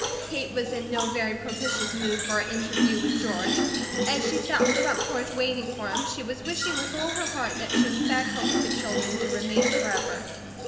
Kate was in no very propitious mood for her interview with George. As she sat on the front porch waiting for him, she was wishing with all her heart that she was back home with the children, to remain forever.